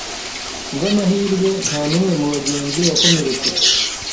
Kubwamahirwe ntanumwe mubagenzi wakomeretse.